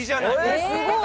えっすごい！